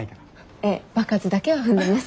ええ場数だけは踏んでます。